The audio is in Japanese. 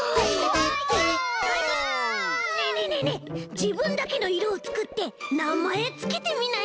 じぶんだけのいろをつくってなまえつけてみない？